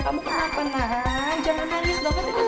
kamu kenapa nangis